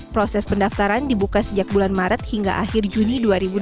proses pendaftaran dibuka sejak bulan maret hingga akhir juni dua ribu dua puluh